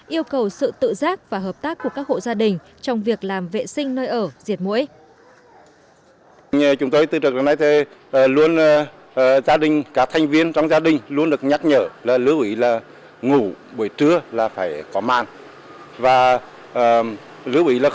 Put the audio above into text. yêu cầu sự tự giác và hợp tác của các hộ gia đình trong việc làm vệ sinh nơi ở diệt mũi